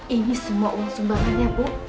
ini semua uang sumbangan ya bu